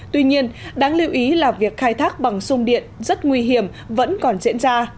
tuy nhiên đáng lưu ý là việc khai thác bằng sung điện rất nguy hiểm vẫn còn diễn ra